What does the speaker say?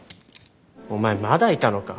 お前まだいたのか？